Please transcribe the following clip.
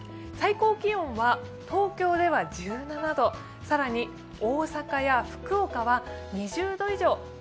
最高気温は東京では１７度、更に、大阪や福岡は２０度以上。